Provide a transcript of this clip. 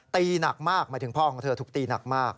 หนักมากหมายถึงพ่อของเธอถูกตีหนักมาก